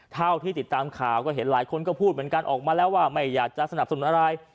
เท่าที่ติดตามข่าวก็เห็นหลายคนก็พูดเหมือนกันออกมาแล้วว่าไม่อยากจะสนับสนุนอะไร